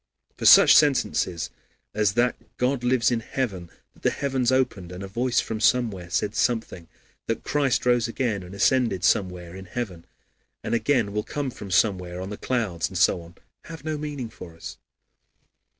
For such sentences as that God lives in heaven, that the heavens opened and a voice from somewhere said something, that Christ rose again, and ascended somewhere in heaven, and again will come from somewhere on the clouds, and so on, have no meaning for us.